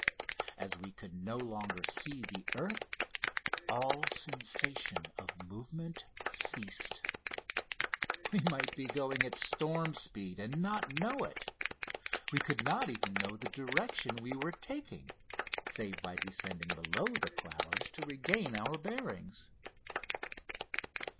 As we could no longer see the earth all sensation of movement ceased. We might be going at storm speed and not know it. We could not even know the direction we were taking save by descending below the clouds to regain our bearings.